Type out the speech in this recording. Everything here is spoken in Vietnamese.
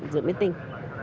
dự biến tinh